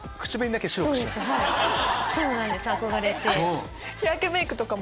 そうなんです憧れて。